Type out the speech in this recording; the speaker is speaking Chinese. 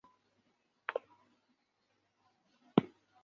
皮伊米克朗。